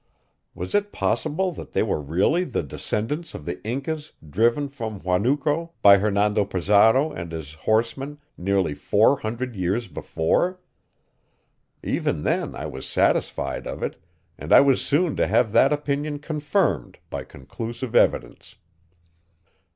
Was it possible that they were really the descendants of the Incas driven from Huanuco by Hernando Pizarro and his horsemen nearly four hundred years before? Even then I was satisfied of it, and I was soon to have that opinion confirmed by conclusive evidence.